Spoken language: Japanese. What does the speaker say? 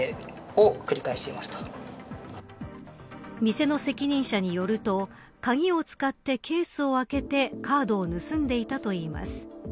店の責任者によると鍵を使ってケースを開けてカードを盗んでいたといいます。